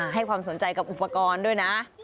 ให้ความสนใจกับอุปกรณ์ด้วยนะ